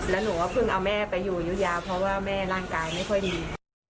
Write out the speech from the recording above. แล้วหนูก็เพิ่งเอาแม่ไปอยู่ยุธยาเพราะว่าแม่ร่างกายไม่ค่อยดี